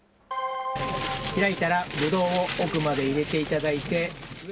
開いたらぶどうを奥まで入れていただいて。